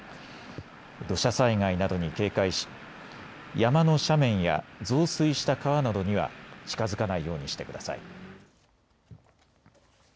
土砂災害などに警戒し山の斜面や増水した川などには近づかないようにしてください。